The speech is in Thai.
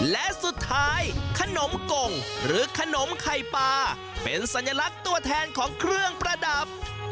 และสุดท้ายขนมกงหรือขนมไข่ปลาเป็นสัญลักษณ์ตัวแทนของเครื่องประดับ